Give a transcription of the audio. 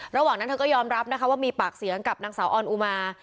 ระหว่างนั้นเธอก็ยอมรับนะคะว่ามีปากเสียงกับนางสาวออนอุมา